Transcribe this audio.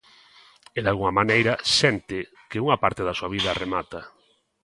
E dalgunha maneira sente que unha parte da súa vida remata.